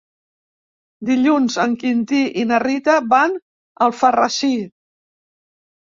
Dilluns en Quintí i na Rita van a Alfarrasí.